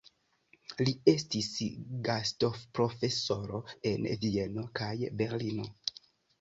Li estis gastoprofesoro en Vieno kaj Berlino.